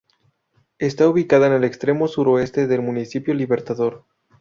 Está ubicada en el extremo suroeste del Municipio Libertador.